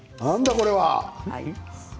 これは。